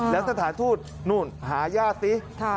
แล้วสถานทูตนู่นหาญาติสิ